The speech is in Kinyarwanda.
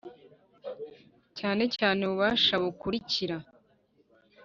cyane cyane ububasha bukurikira